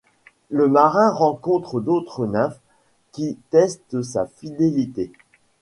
Le marin rencontre d'autres nymphes qui testent sa fidélité.